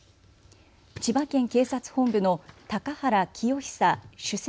千葉県警察本部の高原清久首席